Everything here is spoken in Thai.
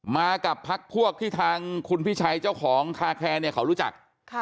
มากับพักพวกที่ทางคุณพิชัยเจ้าของคาแคร์เนี่ยเขารู้จัก